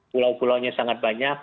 pulau pulaunya sangat banyak